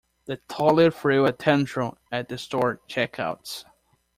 The toddler threw a tantrum at the store checkouts.